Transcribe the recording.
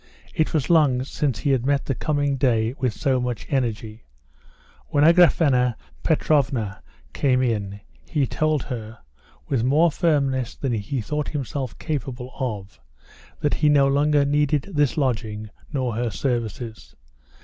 It was long since he had met the coming day with so much energy. When Agraphena Petrovna came in, he told her, with more firmness than he thought himself capable of, that he no longer needed this lodging nor her services.